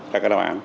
đăng cái đáp án